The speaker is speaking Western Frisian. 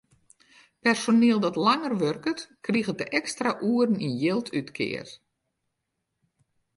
Personiel dat langer wurket, kriget de ekstra oeren yn jild útkeard.